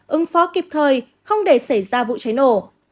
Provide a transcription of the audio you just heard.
ứng phó kịp thời không để xảy ra vụ cháy nổ